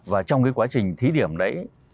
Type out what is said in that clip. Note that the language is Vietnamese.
và trong cái quá trình thí điểm đấy